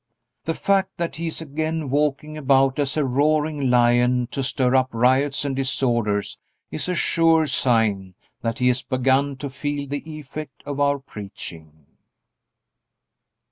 The fact that he is again walking about as a roaring lion to stir up riots and disorders is a sure sign that he has begun to feel the effect of our preaching.